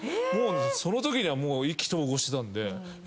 そのときにはもう意気投合してたんで。